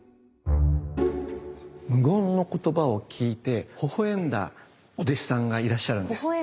無言の言葉を聞いてほほ笑んだお弟子さんがいらっしゃるんです。